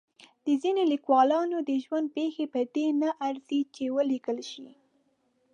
د ځینو لیکوالانو د ژوند پېښې په دې نه ارزي چې ولیکل شي.